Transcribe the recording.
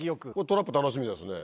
トラップ楽しみですね。